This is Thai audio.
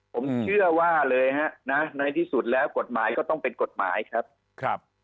ผมเชื่อว่าเลยฮะนะในที่สุดแล้วกฎหมายก็ต้องเป็นกฎหมายครับครับ